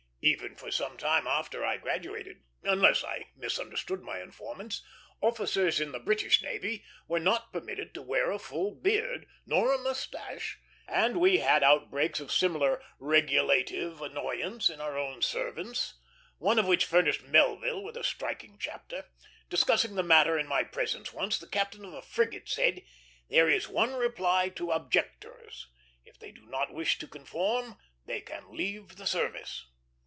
Even for some time after I graduated, unless I misunderstood my informants, officers in the British navy were not permitted to wear a full beard, nor a mustache; and we had out breaks of similar regulative annoyance in our own service, one of which furnished Melville with a striking chapter. Discussing the matter in my presence once, the captain of a frigate said, "There is one reply to objectors; if they do not wish to conform, they can leave the service."